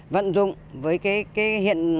vận dụng với cái hiện đại